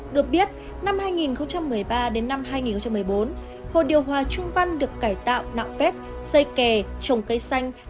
được biết năm hai nghìn một mươi ba đến năm hai nghìn một mươi bốn hồ điều hòa trung văn được cải tạo nạo vét xây kè trồng cây xanh